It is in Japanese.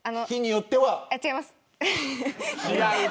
違います。